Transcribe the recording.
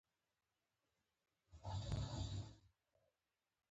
چا چې ناحقه وځورولي، ډاډه اوسه والله که هغه هم له سکونه برخمن شي